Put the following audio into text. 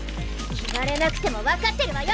言われなくてもわかってるわよ！